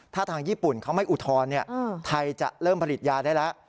ถ้าทางญี่ปุ่นเขาไม่อุทธรณ์ไทยจะเริ่มผลิตยาได้แล้ว